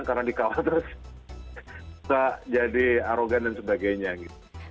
karena dikawalnya terus bisa jadi arogan dan sebagainya gitu